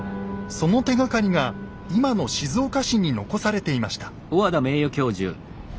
その手がかりが今の静岡市に残されていました。